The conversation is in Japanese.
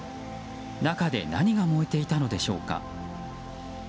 中で何が燃えていたのでしょうか。